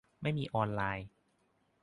ไม่มีออนไลน์